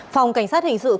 phòng cảnh sát hình sự công an